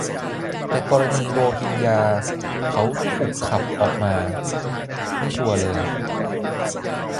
แต่กรณีโรฮิงญา เขา 'ถูกขับ' ออกมา - ไม่ชัวร์เลย